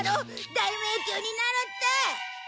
大迷宮になるって。